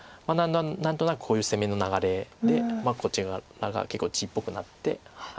何となくこういう攻めの流れでこちらが結構地っぽくなって。